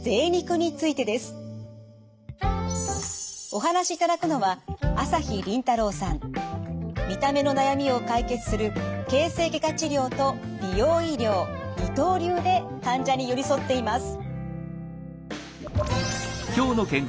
お話しいただくのは見た目の悩みを解決する形成外科治療と美容医療二刀流で患者に寄り添っています。